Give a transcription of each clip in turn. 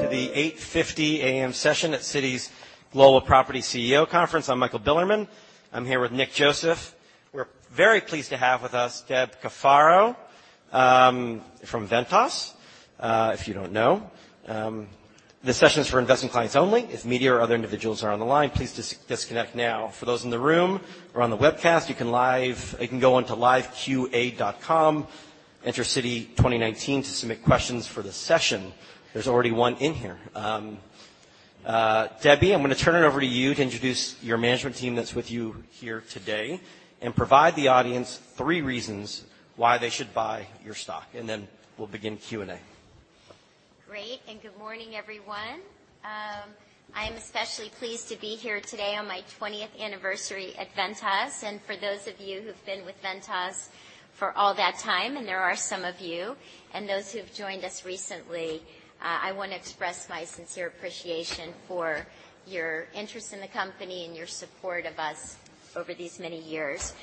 To the 8:50 A.M. session at Citi's Global Property CEO Conference. I'm Michael Bilerman. I'm here with Nick Joseph. We're very pleased to have with us Deb Cafaro from Ventas, if you don't know. This session is for investment clients only. If media or other individuals are on the line, please disconnect now. For those in the room or on the webcast, you can go on to liveqa.com, enter CITI2019 to submit questions for the session. There's already one in here. Debbie, I'm going to turn it over to you to introduce your management team that's with you here today and provide the audience three reasons why they should buy your stock, and then we'll begin Q&A. Great and good morning, everyone. I am especially pleased to be here today on my 20th anniversary at Ventas. For those of you who've been with Ventas for all that time, and there are some of you, and those who've joined us recently, I want to express my sincere appreciation for your interest in the company and your support of us over these many years.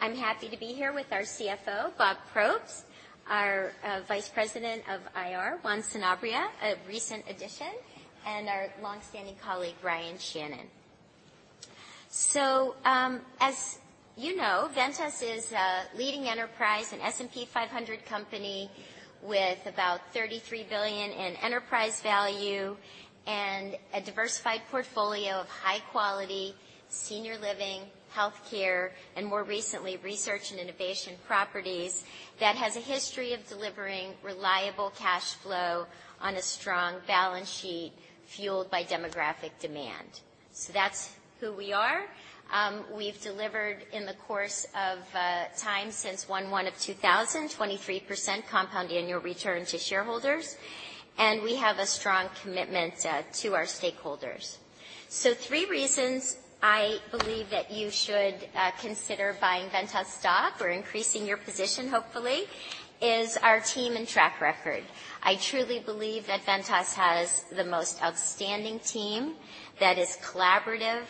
I'm happy to be here with our CFO, Bob Probst, our Vice President of IR, Juan Sanabria, a recent addition, and our longstanding colleague, Ryan Shannon. As you know, Ventas is a leading enterprise, an S&P 500 company with about $33 billion in enterprise value and a diversified portfolio of high-quality senior living, healthcare, and more recently, research and innovation properties that has a history of delivering reliable cash flow on a strong balance sheet fueled by demographic demand. So that's who we are. We've delivered in the course of time since 1/1 of 2000, 23% compound annual return to shareholders. And we have a strong commitment to our stakeholders. So three reasons I believe that you should consider buying Ventas stock or increasing your position, hopefully, is our team and track record. I truly believe that Ventas has the most outstanding team that is collaborative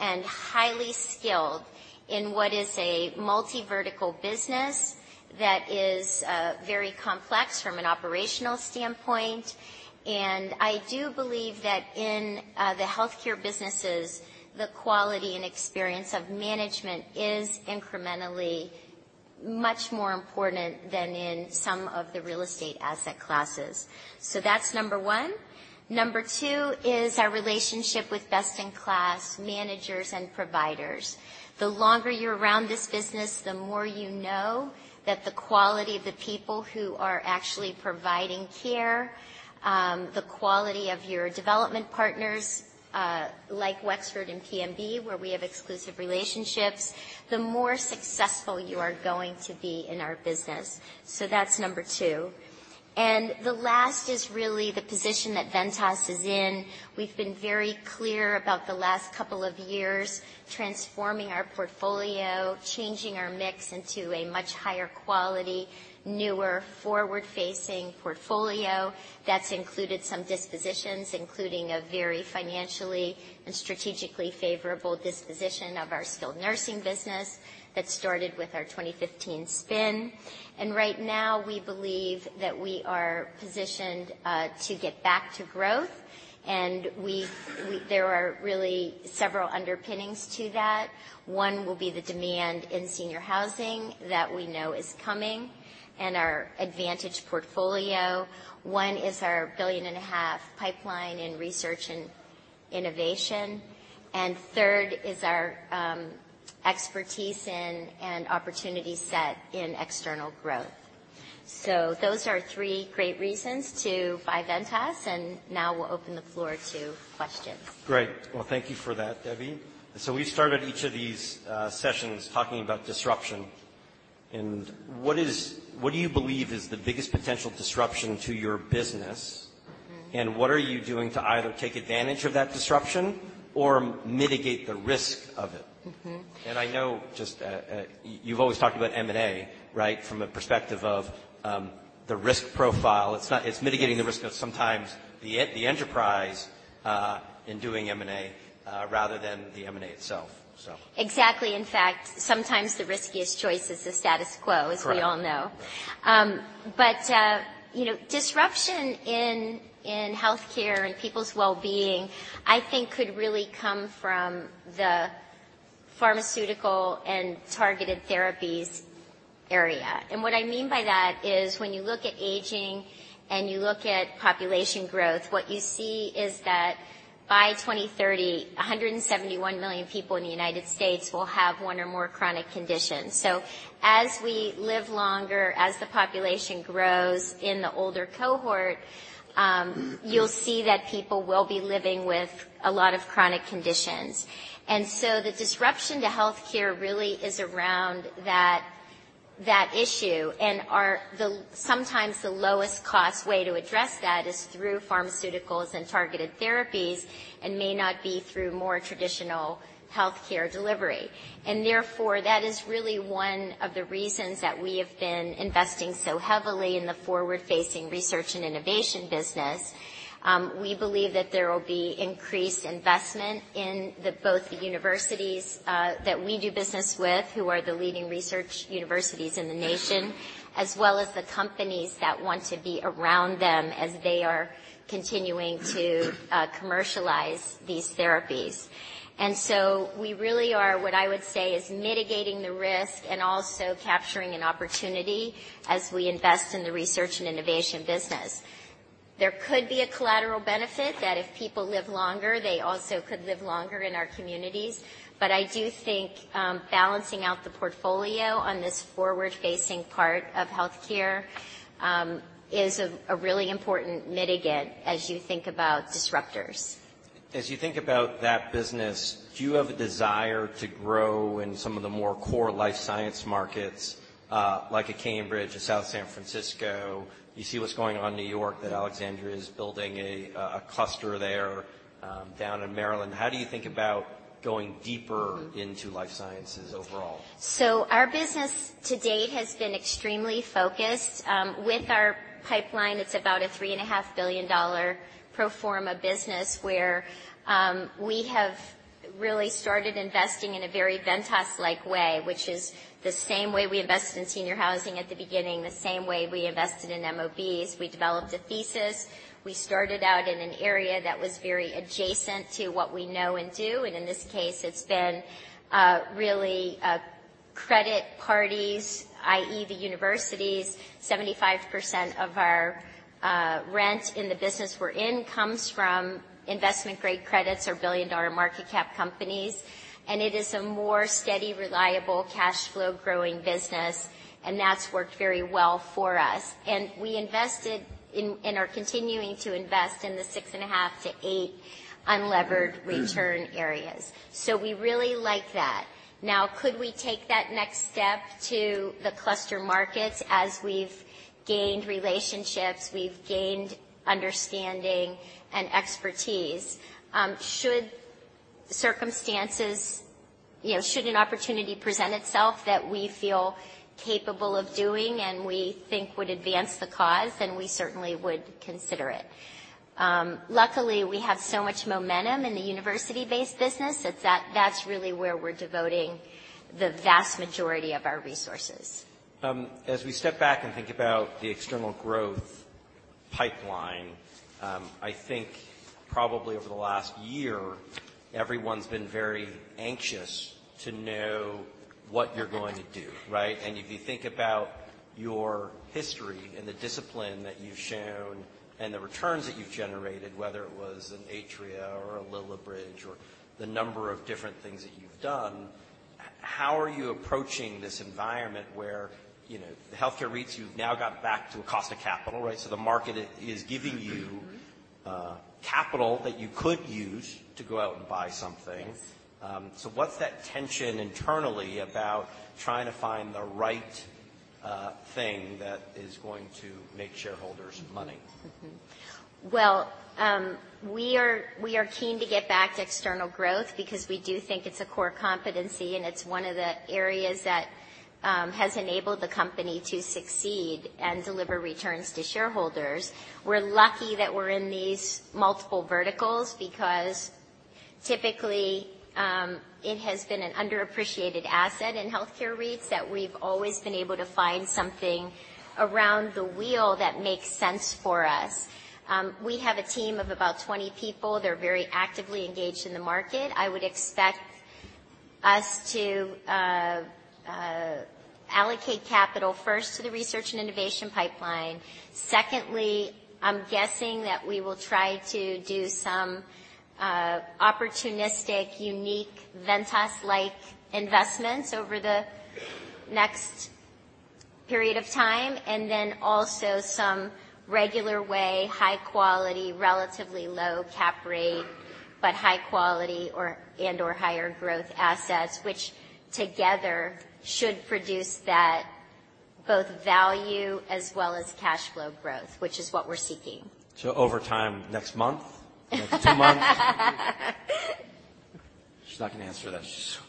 and highly skilled in what is a multi-vertical business that is very complex from an operational standpoint. And I do believe that in the healthcare businesses, the quality and experience of management is incrementally much more important than in some of the real estate asset classes. So that's number one. Number two is our relationship with best-in-class managers and providers. The longer you're around this business, the more you know that the quality of the people who are actually providing care, the quality of your development partners like Wexford and PMB, where we have exclusive relationships, the more successful you are going to be in our business. So that's number two. And the last is really the position that Ventas is in. We've been very clear about the last couple of years, transforming our portfolio, changing our mix into a much higher quality, newer, forward-facing portfolio that's included some dispositions, including a very financially and strategically favorable disposition of our skilled nursing business that started with our 2015 spin. And right now, we believe that we are positioned to get back to growth. And there are really several underpinnings to that. One will be the demand in senior housing that we know is coming and our advantaged portfolio. One is our $1.5 billion pipeline in research and innovation. And third is our expertise and opportunity set in external growth. So those are three great reasons to buy Ventas. And now we'll open the floor to questions. Great. Well, thank you for that, Debbie. So we've started each of these sessions talking about disruption. And what do you believe is the biggest potential disruption to your business? And what are you doing to either take advantage of that disruption or mitigate the risk of it? And I know just you've always talked about M&A, right, from a perspective of the risk profile. It's mitigating the risk of sometimes the enterprise in doing M&A rather than the M&A itself, so. Exactly. In fact, sometimes the riskiest choice is the status quo, as we all know, but disruption in healthcare and people's well-being, I think, could really come from the pharmaceutical and targeted therapies area, and what I mean by that is when you look at aging and you look at population growth, what you see is that by 2030, 171 million people in the United States will have one or more chronic conditions. So as we live longer, as the population grows in the older cohort, you'll see that people will be living with a lot of chronic conditions, and so the disruption to healthcare really is around that issue, and sometimes the lowest-cost way to address that is through pharmaceuticals and targeted therapies and may not be through more traditional healthcare delivery. Therefore, that is really one of the reasons that we have been investing so heavily in the forward-facing research and innovation business. We believe that there will be increased investment in both the universities that we do business with, who are the leading research universities in the nation, as well as the companies that want to be around them as they are continuing to commercialize these therapies. So we really are, what I would say, mitigating the risk and also capturing an opportunity as we invest in the research and innovation business. There could be a collateral benefit that if people live longer, they also could live longer in our communities. I do think balancing out the portfolio on this forward-facing part of healthcare is a really important mitigant as you think about disruptors. As you think about that business, do you have a desire to grow in some of the more core life science markets like at Cambridge, at South San Francisco? You see what's going on in New York that Alexandria is building a cluster there down in Maryland. How do you think about going deeper into life sciences overall? Our business to date has been extremely focused. With our pipeline, it's about a $3.5 billion pro forma business where we have really started investing in a very Ventas-like way, which is the same way we invested in senior housing at the beginning, the same way we invested in MOBs. We developed a thesis. We started out in an area that was very adjacent to what we know and do, and in this case, it's been really credit parties, i.e., the universities. 75% of our rent in the business we're in comes from investment-grade credits or $1 billion market cap companies, and it is a more steady, reliable, cash flow-growing business, and that's worked very well for us, and we invested in or continue to invest in the six-and-a-half to eight unlevered return areas, so we really like that. Now, could we take that next step to the cluster markets as we've gained relationships, we've gained understanding and expertise? Should circumstances, should an opportunity present itself that we feel capable of doing and we think would advance the cause, then we certainly would consider it. Luckily, we have so much momentum in the university-based business that that's really where we're devoting the vast majority of our resources. As we step back and think about the external growth pipeline, I think probably over the last year, everyone's been very anxious to know what you're going to do, right, and if you think about your history and the discipline that you've shown and the returns that you've generated, whether it was an Atria or a Lillibridge or the number of different things that you've done, how are you approaching this environment where the healthcare REIT you've now got back to a cost of capital, right? So the market is giving you capital that you could use to go out and buy something. So what's that tension internally about trying to find the right thing that is going to make shareholders money? We are keen to get back to external growth because we do think it's a core competency and it's one of the areas that has enabled the company to succeed and deliver returns to shareholders. We're lucky that we're in these multiple verticals because typically, it has been an underappreciated asset in healthcare REIT that we've always been able to find something around the world that makes sense for us. We have a team of about 20 people. They're very actively engaged in the market. I would expect us to allocate capital first to the research and innovation pipeline. Secondly, I'm guessing that we will try to do some opportunistic, unique Ventas-like investments over the next period of time, and then also some regular way, high-quality, relatively low cap rate, but high-quality and/or higher growth assets, which together should produce that both value as well as cash flow growth, which is what we're seeking. So over time next month, next two months? She's not going to answer that. She's so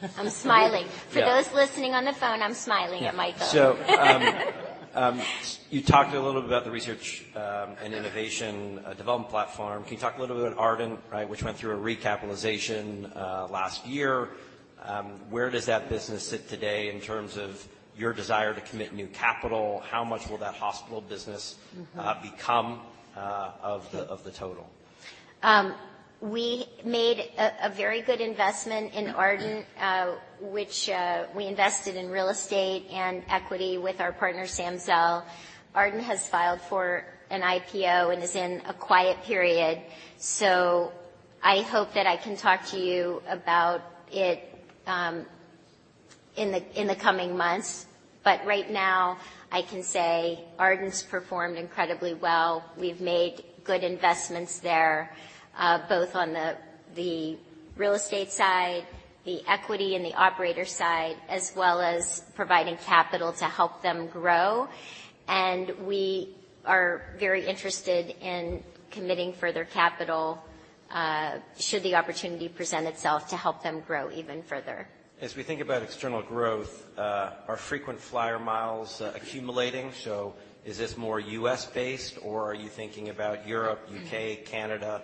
good. I'm smiling. For those listening on the phone, I'm smiling at my phone. So you talked a little bit about the research and innovation development platform. Can you talk a little bit about Ardent, right, which went through a recapitalization last year? Where does that business sit today in terms of your desire to commit new capital? How much will that hospital business become of the total? We made a very good investment in Ardent, which we invested in real estate and equity with our partner, Sam Zell. Ardent has filed for an IPO and is in a quiet period, so I hope that I can talk to you about it in the coming months, but right now, I can say Ardent's performed incredibly well. We've made good investments there, both on the real estate side, the equity, and the operator side, as well as providing capital to help them grow, and we are very interested in committing further capital should the opportunity present itself to help them grow even further. As we think about external growth, are frequent flyer miles accumulating? So is this more U.S.-based, or are you thinking about Europe, U.K., Canada?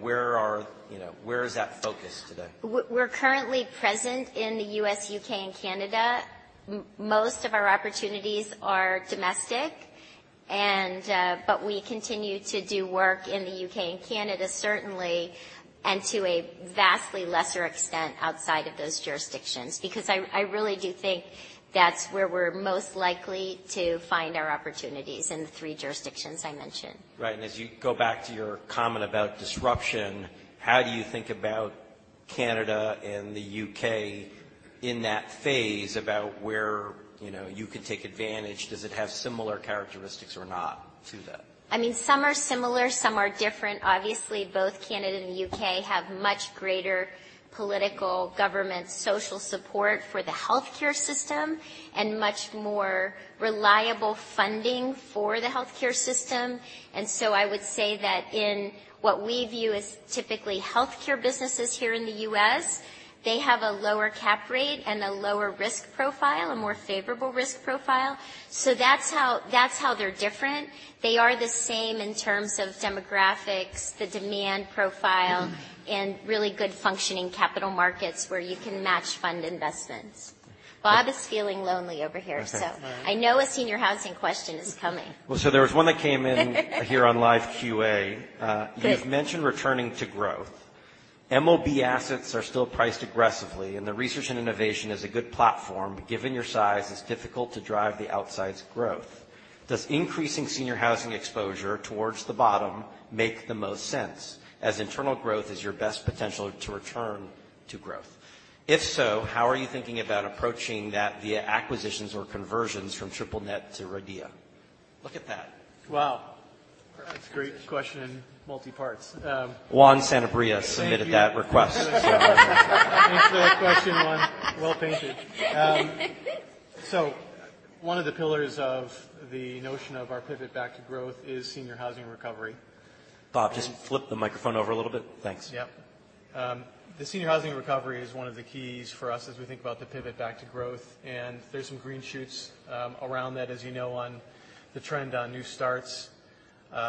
Where is that focus today? We're currently present in the U.S., U.K., and Canada. Most of our opportunities are domestic. But we continue to do work in the U.K. and Canada, certainly, and to a vastly lesser extent outside of those jurisdictions because I really do think that's where we're most likely to find our opportunities in the three jurisdictions I mentioned. Right. And as you go back to your comment about disruption, how do you think about Canada and the U.K. in that phase about where you could take advantage? Does it have similar characteristics or not to that? I mean, some are similar, some are different. Obviously, both Canada and the U.K. have much greater political, government, social support for the healthcare system and much more reliable funding for the healthcare system. And so I would say that in what we view as typically healthcare businesses here in the U.S., they have a lower cap rate and a lower risk profile, a more favorable risk profile. So that's how they're different. They are the same in terms of demographics, the demand profile, and really good functioning capital markets where you can match fund investments. Bob is feeling lonely over here, so I know a senior housing question is coming. So there was one that came in here on LiveQA. You've mentioned returning to growth. MOB assets are still priced aggressively, and the research and innovation is a good platform. Given your size, it's difficult to drive the outsized growth. Does increasing senior housing exposure towards the bottom make the most sense as internal growth is your best potential to return to growth? If so, how are you thinking about approaching that via acquisitions or conversions from triple-net to RIDEA? Look at that. Wow. That's a great question, multi-parts. Juan Sanabria submitted that request. Thanks for that question, Juan. Well-painted, so one of the pillars of the notion of our pivot back to growth is senior housing recovery. Bob, just flip the microphone over a little bit. Thanks. Yep. The senior housing recovery is one of the keys for us as we think about the pivot back to growth, and there's some green shoots around that, as you know, on the trend on new starts,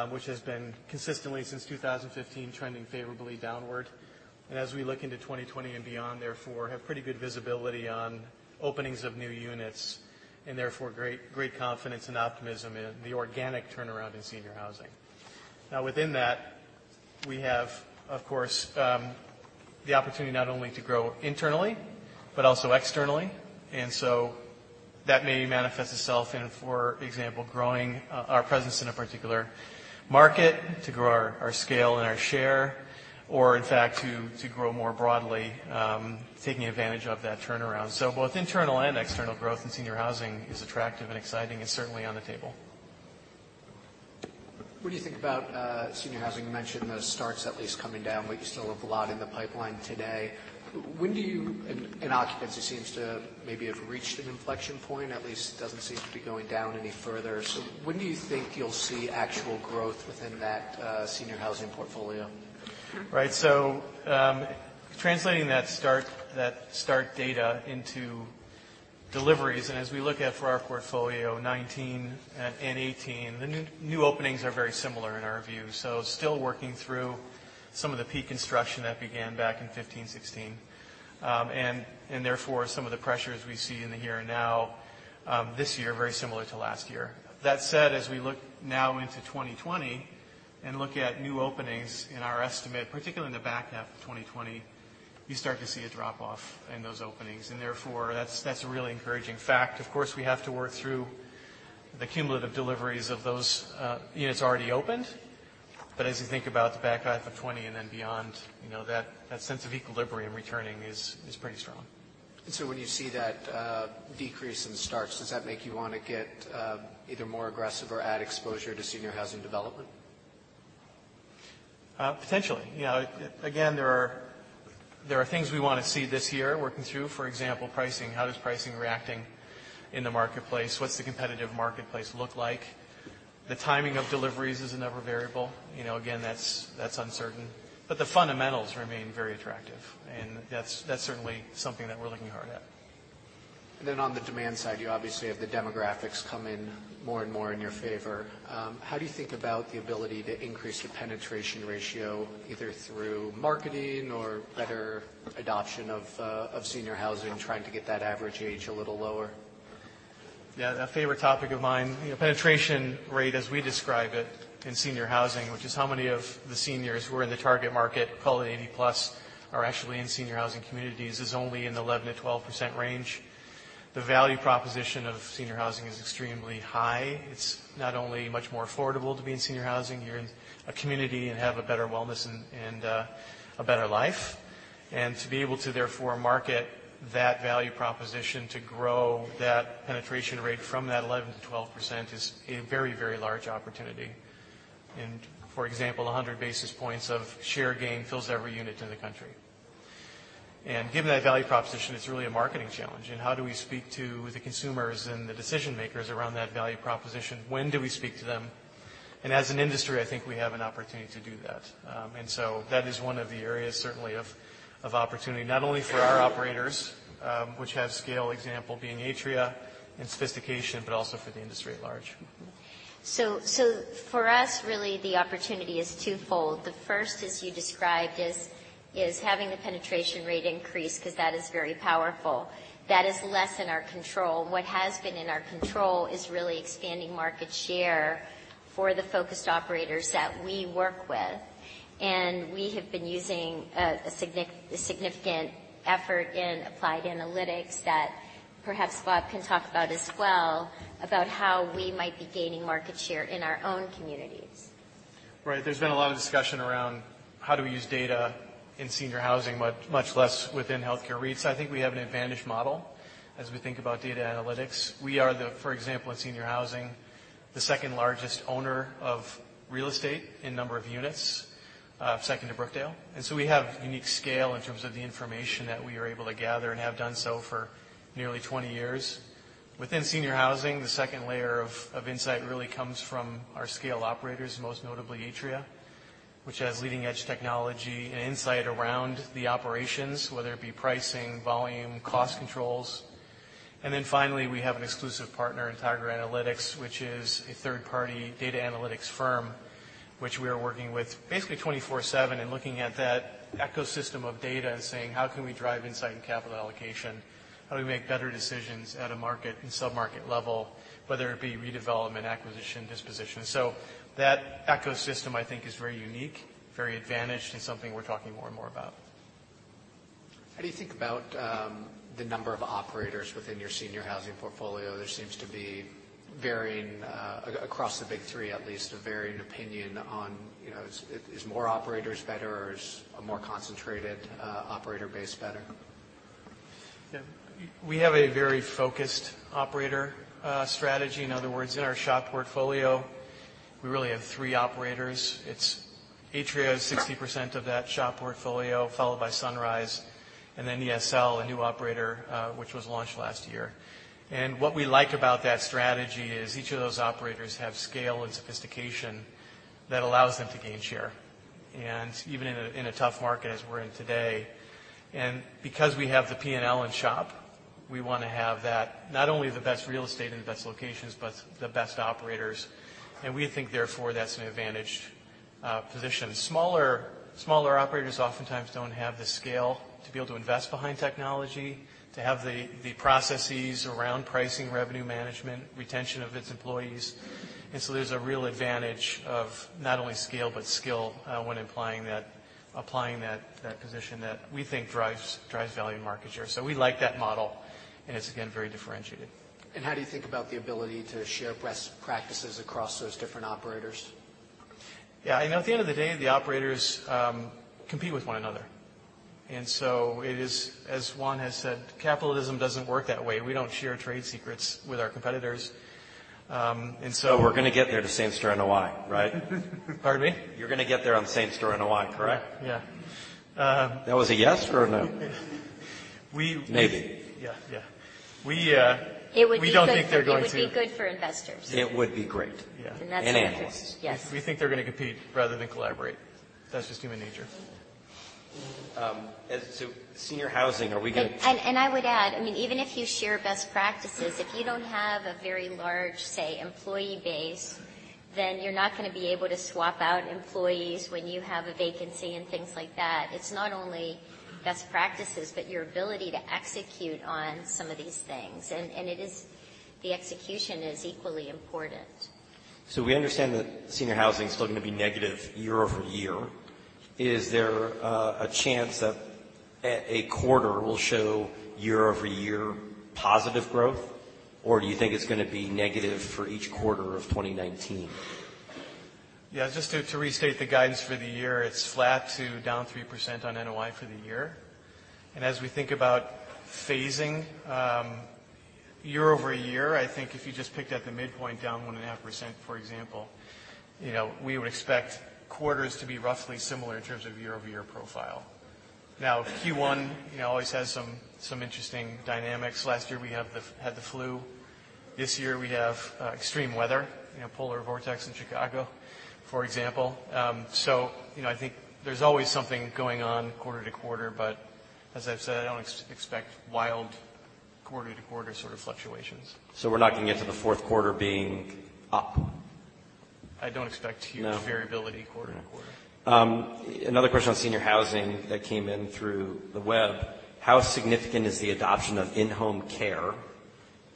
which has been consistently since 2015 trending favorably downward, and as we look into 2020 and beyond, therefore, have pretty good visibility on openings of new units and therefore great confidence and optimism in the organic turnaround in senior housing. Now, within that, we have, of course, the opportunity not only to grow internally but also externally, and so that may manifest itself in, for example, growing our presence in a particular market to grow our scale and our share or, in fact, to grow more broadly, taking advantage of that turnaround, so both internal and external growth in senior housing is attractive and exciting and certainly on the table. What do you think about senior housing? You mentioned the starts at least coming down, but you still have a lot in the pipeline today. When do you, and occupancy seems to maybe have reached an inflection point, at least doesn't seem to be going down any further. So when do you think you'll see actual growth within that senior housing portfolio? Right, so translating that start data into deliveries, and as we look at for our portfolio 2019 and 2018, the new openings are very similar in our view, so still working through some of the peak construction that began back in 2015, 2016, and therefore, some of the pressures we see in the here and now this year are very similar to last year. That said, as we look now into 2020 and look at new openings in our estimate, particularly in the back half of 2020, you start to see a drop-off in those openings, and therefore, that's a really encouraging fact. Of course, we have to work through the cumulative deliveries of those units already opened, but as you think about the back half of 2020 and then beyond, that sense of equilibrium returning is pretty strong. And so when you see that decrease in starts, does that make you want to get either more aggressive or add exposure to senior housing development? Potentially. Yeah. Again, there are things we want to see this year working through. For example, pricing. How is pricing reacting in the marketplace? What's the competitive marketplace look like? The timing of deliveries is another variable. Again, that's uncertain. But the fundamentals remain very attractive. And that's certainly something that we're looking hard at. And then on the demand side, you obviously have the demographics come in more and more in your favor. How do you think about the ability to increase the penetration ratio either through marketing or better adoption of senior housing, trying to get that average age a little lower? Yeah. A favorite topic of mine, penetration rate as we describe it in senior housing, which is how many of the seniors who are in the target market, call it 80+, are actually in senior housing communities is only in the 11%-12% range. The value proposition of senior housing is extremely high. It's not only much more affordable to be in senior housing, you're in a community and have a better wellness and a better life. And to be able to therefore market that value proposition to grow that penetration rate from that 11%-12% is a very, very large opportunity. And for example, 100 basis points of share gain fills every unit in the country. And given that value proposition, it's really a marketing challenge. And how do we speak to the consumers and the decision-makers around that value proposition? When do we speak to them, and as an industry, I think we have an opportunity to do that, and so that is one of the areas, certainly, of opportunity, not only for our operators, which have scale, example being Atria and sophistication, but also for the industry at large. So for us, really, the opportunity is twofold. The first, as you described, is having the penetration rate increase because that is very powerful. That is less in our control. What has been in our control is really expanding market share for the focused operators that we work with. And we have been using a significant effort in applied analytics that perhaps Bob can talk about as well, about how we might be gaining market share in our own communities. Right. There's been a lot of discussion around how do we use data in senior housing, much less within healthcare reach. I think we have an advantage model as we think about data analytics. We are, for example, in senior housing, the second largest owner of real estate in number of units, second to Brookdale. And so we have unique scale in terms of the information that we are able to gather and have done so for nearly 20 years. Within senior housing, the second layer of insight really comes from our scale operators, most notably Atria, which has leading-edge technology and insight around the operations, whether it be pricing, volume, cost controls. And then finally, we have an exclusive partner, Integra Analytics, which is a third-party data analytics firm, which we are working with basically 24/7 and looking at that ecosystem of data and saying, "How can we drive insight and capital allocation? How do we make better decisions at a market and sub-market level, whether it be redevelopment, acquisition, disposition?" So that ecosystem, I think, is very unique, very advantaged, and something we're talking more and more about. How do you think about the number of operators within your senior housing portfolio? There seems to be varying across the big three, at least, a varying opinion on is more operators better or is a more concentrated operator base better? Yeah. We have a very focused operator strategy. In other words, in our SHOP portfolio, we really have three operators. It's Atria, 60% of that SHOP portfolio, followed by Sunrise, and then ESL, a new operator, which was launched last year. And what we like about that strategy is each of those operators have scale and sophistication that allows them to gain share. And even in a tough market as we're in today, and because we have the P&L in SHOP, we want to have that not only the best real estate and the best locations, but the best operators. And we think, therefore, that's an advantaged position. Smaller operators oftentimes don't have the scale to be able to invest behind technology, to have the processes around pricing, revenue management, retention of its employees. And so there's a real advantage of not only scale but skill when applying that position that we think drives value and market share. So we like that model. And it's, again, very differentiated. How do you think about the ability to share best practices across those different operators? Yeah. At the end of the day, the operators compete with one another. And so it is, as Juan has said, capitalism doesn't work that way. We don't share trade secrets with our competitors. And so. So we're going to get there to same store in Hawaii, right? Pardon me? You're going to get there on the same store in Hawaii, correct? Yeah. That was a yes or a no? Maybe. Yeah. Yeah. It would be great. We don't think they're going to. It would be good for investors. It would be great. Yeah. And analysts. And analysts. Yes. We think they're going to compete rather than collaborate. That's just human nature. So, senior housing, are we going to? I would add, I mean, even if you share best practices, if you don't have a very large, say, employee base, then you're not going to be able to swap out employees when you have a vacancy and things like that. It's not only best practices, but your ability to execute on some of these things. The execution is equally important. So we understand that senior housing is still going to be negative year over year. Is there a chance that a quarter will show year over year positive growth, or do you think it's going to be negative for each quarter of 2019? Yeah. Just to restate the guidance for the year, it's flat to down 3% on NOI for the year. And as we think about phasing year over year, I think if you just picked at the midpoint down 1.5%, for example, we would expect quarters to be roughly similar in terms of year over year profile. Now, Q1 always has some interesting dynamics. Last year, we had the flu. This year, we have extreme weather, polar vortex in Chicago, for example. So I think there's always something going on quarter to quarter. But as I've said, I don't expect wild quarter to quarter sort of fluctuations. So we're not going to get to the fourth quarter being up? I don't expect huge variability quarter to quarter. Another question on senior housing that came in through the web. How significant is the adoption of in-home care?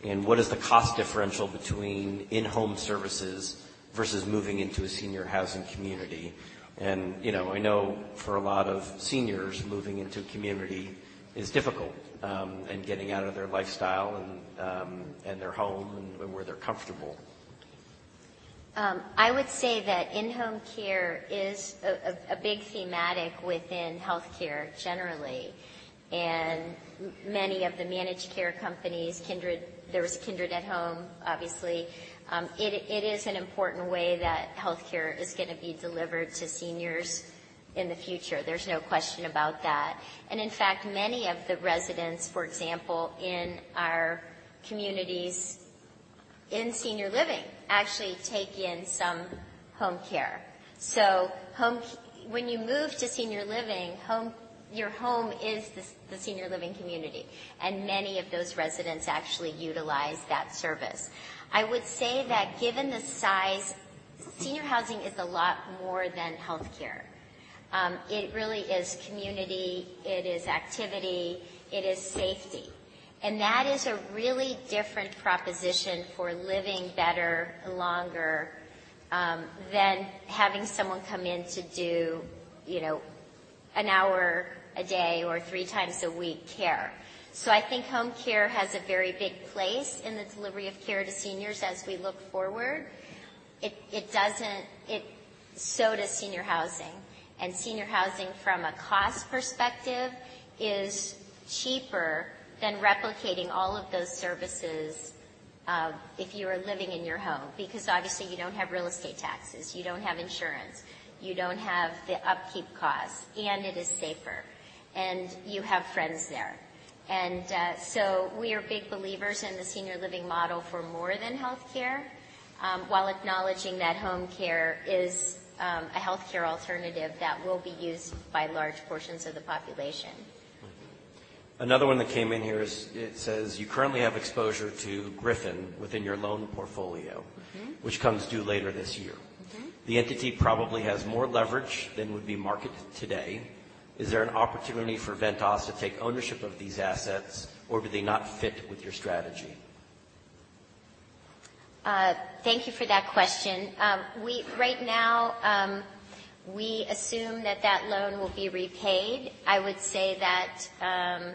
And what is the cost differential between in-home services versus moving into a senior housing community? And I know for a lot of seniors, moving into a community is difficult and getting out of their lifestyle and their home and where they're comfortable. I would say that in-home care is a big thematic within healthcare generally. And many of the managed care companies, there was a Kindred at Home, obviously. It is an important way that healthcare is going to be delivered to seniors in the future. There's no question about that. And in fact, many of the residents, for example, in our communities in senior living actually take in some home care. So when you move to senior living, your home is the senior living community. And many of those residents actually utilize that service. I would say that given the size, senior housing is a lot more than healthcare. It really is community. It is activity. It is safety. And that is a really different proposition for living better, longer than having someone come in to do an hour a day or three times a week care. So I think home care has a very big place in the delivery of care to seniors as we look forward. It so does senior housing. And senior housing, from a cost perspective, is cheaper than replicating all of those services if you are living in your home because, obviously, you don't have real estate taxes. You don't have insurance. You don't have the upkeep costs. And it is safer. And you have friends there. And so we are big believers in the senior living model for more than healthcare, while acknowledging that home care is a healthcare alternative that will be used by large portions of the population. Another one that came in here is it says you currently have exposure to Griffin within your loan portfolio, which comes due later this year. The entity probably has more leverage than would be marketed today. Is there an opportunity for Ventas to take ownership of these assets, or do they not fit with your strategy? Thank you for that question. Right now, we assume that that loan will be repaid. I would say that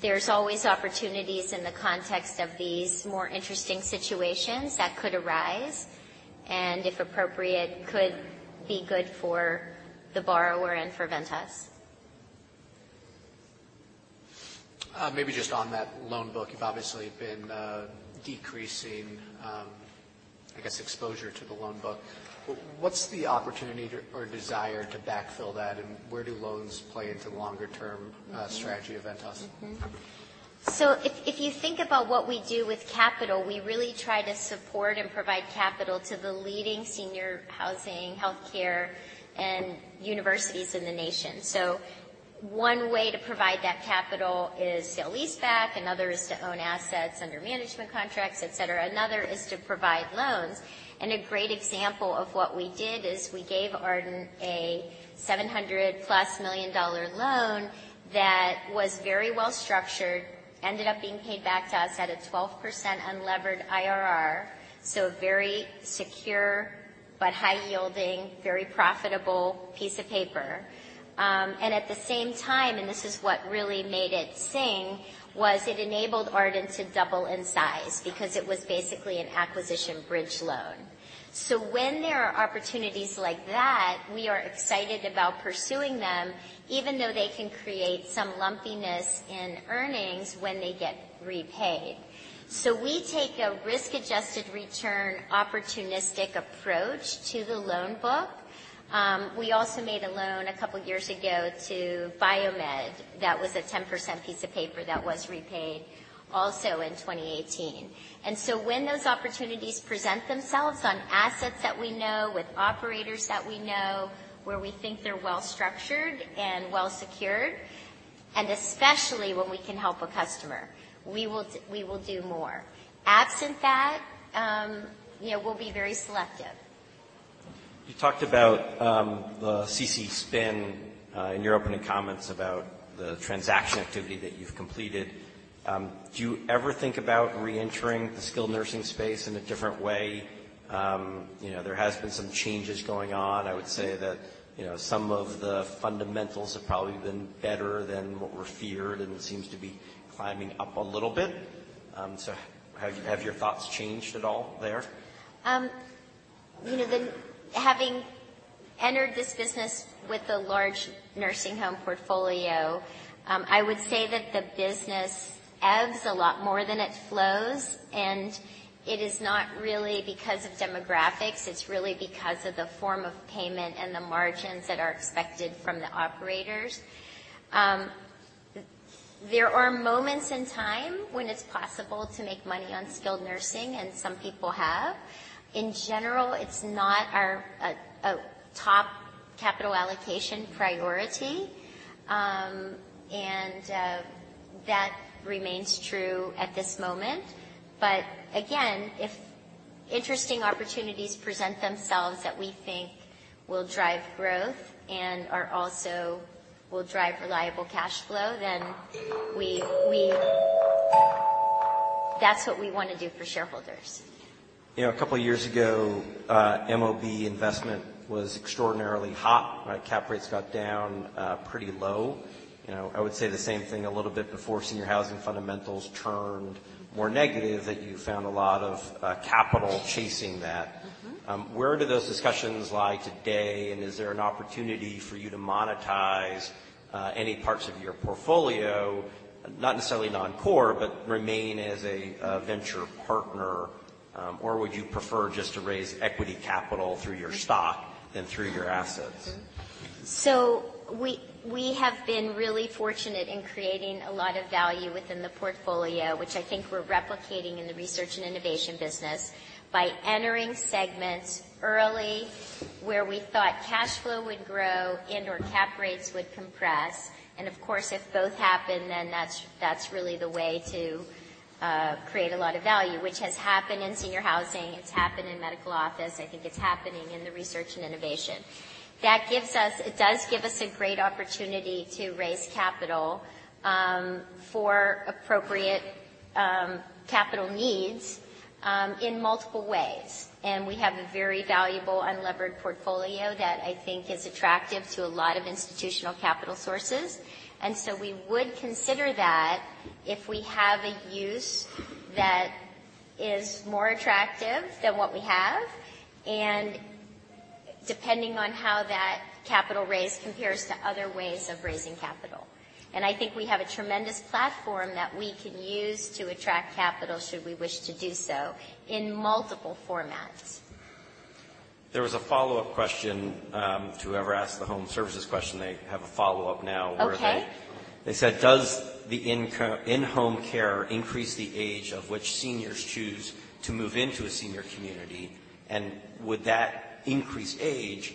there's always opportunities in the context of these more interesting situations that could arise and, if appropriate, could be good for the borrower and for Ventas. Maybe just on that loan book, you've obviously been decreasing, I guess, exposure to the loan book. What's the opportunity or desire to backfill that? And where do loans play into the longer-term strategy of Ventas? So if you think about what we do with capital, we really try to support and provide capital to the leading senior housing, healthcare, and universities in the nation. One way to provide that capital is to lease back. Another is to own assets under management contracts, etc. Another is to provide loans. A great example of what we did is we gave Ardent a $700 million loan that was very well structured, ended up being paid back to us at a 12% unlevered IRR. So a very secure but high-yielding, very profitable piece of paper. At the same time, and this is what really made it sing, was it enabled Ardent to double in size because it was basically an acquisition bridge loan. So when there are opportunities like that, we are excited about pursuing them, even though they can create some lumpiness in earnings when they get repaid. So we take a risk-adjusted return opportunistic approach to the loan book. We also made a loan a couple of years ago to BioMed that was a 10% piece of paper that was repaid also in 2018. And so when those opportunities present themselves on assets that we know, with operators that we know, where we think they're well structured and well secured, and especially when we can help a customer, we will do more. Absent that, we'll be very selective. You talked about the CC spin in your opening comments about the transaction activity that you've completed. Do you ever think about reentering the skilled nursing space in a different way? There has been some changes going on. I would say that some of the fundamentals have probably been better than what were feared and seems to be climbing up a little bit. So have your thoughts changed at all there? Having entered this business with a large nursing home portfolio, I would say that the business ebbs a lot more than it flows, and it is not really because of demographics. It's really because of the form of payment and the margins that are expected from the operators. There are moments in time when it's possible to make money on skilled nursing, and some people have. In general, it's not our top capital allocation priority, and that remains true at this moment, but again, if interesting opportunities present themselves that we think will drive growth and also will drive reliable cash flow, then that's what we want to do for shareholders. A couple of years ago, MOB investment was extraordinarily hot. Cap rates got down pretty low. I would say the same thing a little bit before senior housing fundamentals turned more negative, that you found a lot of capital chasing that. Where do those discussions lie today? And is there an opportunity for you to monetize any parts of your portfolio, not necessarily non-core, but remain as a venture partner? Or would you prefer just to raise equity capital through your stock than through your assets? So we have been really fortunate in creating a lot of value within the portfolio, which I think we're replicating in the research and innovation business by entering segments early where we thought cash flow would grow and/or cap rates would compress. And of course, if both happen, then that's really the way to create a lot of value, which has happened in senior housing. It's happened in medical office. I think it's happening in the research and innovation. That gives us. It does give us a great opportunity to raise capital for appropriate capital needs in multiple ways. And we have a very valuable unlevered portfolio that I think is attractive to a lot of institutional capital sources. And so we would consider that if we have a use that is more attractive than what we have, and depending on how that capital raise compares to other ways of raising capital. And I think we have a tremendous platform that we can use to attract capital should we wish to do so in multiple formats. There was a follow-up question to whoever asked the home services question. They have a follow-up now. They said, "Does the in-home care increase the age of which seniors choose to move into a senior community? And would that increased age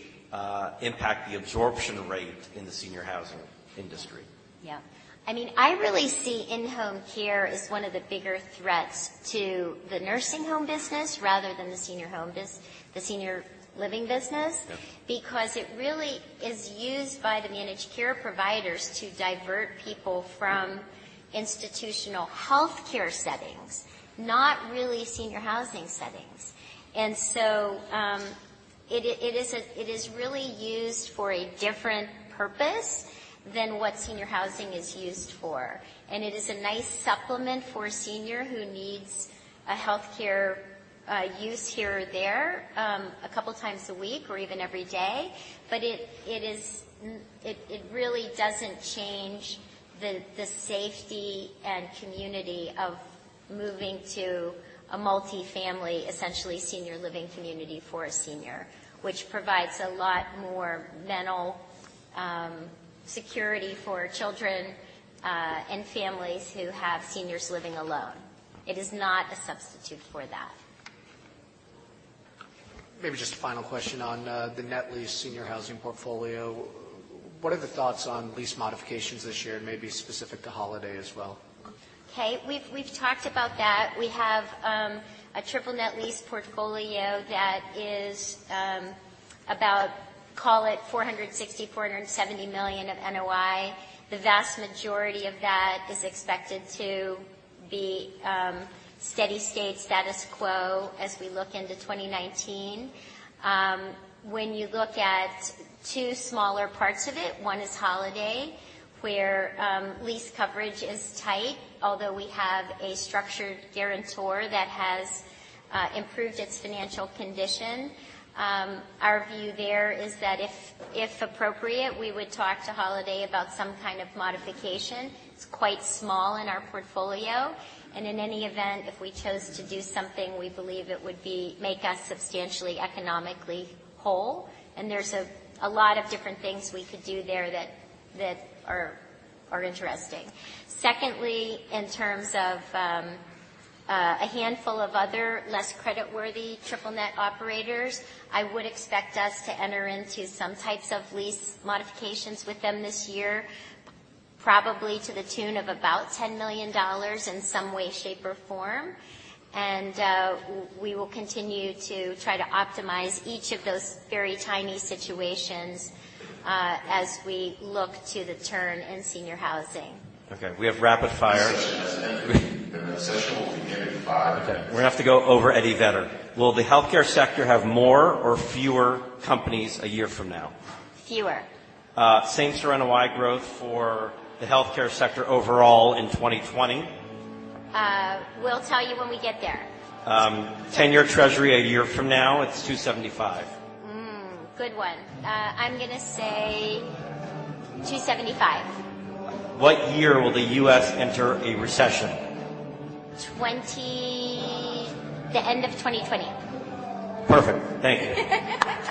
impact the absorption rate in the senior housing industry? Yeah. I mean, I really see in-home care as one of the bigger threats to the nursing home business rather than the senior living business because it really is used by the managed care providers to divert people from institutional healthcare settings, not really senior housing settings. And so it is really used for a different purpose than what senior housing is used for. And it is a nice supplement for a senior who needs a healthcare use here or there a couple of times a week or even every day. But it really doesn't change the safety and community of moving to a multi-family, essentially senior living community for a senior, which provides a lot more mental security for children and families who have seniors living alone. It is not a substitute for that. Maybe just a final question on the net lease senior housing portfolio. What are the thoughts on lease modifications this year and maybe specific to Holiday as well? Okay. We've talked about that. We have a Triple-Net Lease portfolio that is about, call it $460 million-$470 million of NOI. The vast majority of that is expected to be steady state status quo as we look into 2019. When you look at two smaller parts of it, one is Holiday, where lease coverage is tight, although we have a structured guarantor that has improved its financial condition. Our view there is that if appropriate, we would talk to Holiday about some kind of modification. It's quite small in our portfolio. And in any event, if we chose to do something, we believe it would make us substantially economically whole. And there's a lot of different things we could do there that are interesting. Secondly, in terms of a handful of other less creditworthy triple-net operators, I would expect us to enter into some types of lease modifications with them this year, probably to the tune of about $10 million in some way, shape, or form, and we will continue to try to optimize each of those very tiny situations as we look to the turn in senior housing. Okay. We have rapid fire. The session will begin at 5:00. Okay. We're going to have to go over the event. Will the healthcare sector have more or fewer companies a year from now? Fewer. NOI growth for the healthcare sector overall in 2020? We'll tell you when we get there. 10-year Treasury a year from now, it's 2.75%. Good one. I'm going to say 275. What year will the U.S. enter a recession? The end of 2020. Perfect. Thank you.